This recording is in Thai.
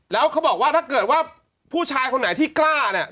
แล้วเขาบอกว่าถ้าเกิดว่าผู้ชายคนไหนที่กล้าเนี่ย